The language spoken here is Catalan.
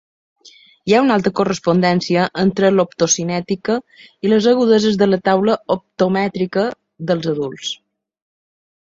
Hi ha una alta correspondència entre l'optocinètica i les agudeses de la taula optomètrica dels adults.